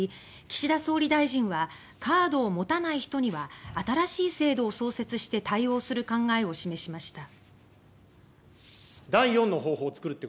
岸田総理大臣はカードを持たない人には新しい制度を創設して対応する考えを示しました。